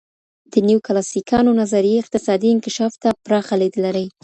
د نیوکلاسیکانو نظریې اقتصادي انکشاف ته پراخه لید لري.